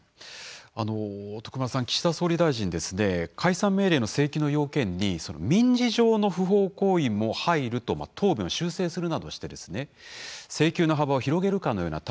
徳丸さん岸田総理大臣解散命令の請求の要件に民事上の不法行為も入ると答弁を修正するなどして請求の幅を広げるかのような対応を見せました。